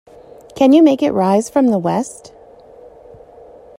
Can you make it rise from the West?